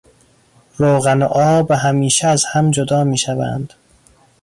روغن و آب همیشه از هم جدا میشوند.